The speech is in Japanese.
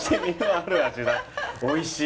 おいしい。